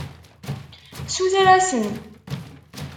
Suter-asen.